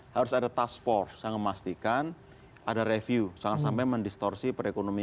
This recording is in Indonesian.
harus ada task force yang memastikan ada review jangan sampai mendistorsi perekonomian